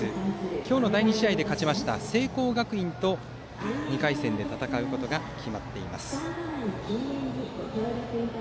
今日の第２試合で勝った聖光学院と２回戦で戦うことが決まっています。